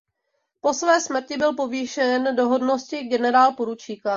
Po své smrti byl povýšen do hodnosti generálporučíka.